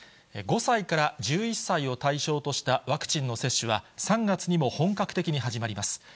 ５歳から１１歳を対象としたワクチンの接種は３月にも本格的に始まります。